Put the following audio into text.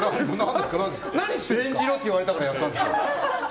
演じろって言われたからやったんでしょ。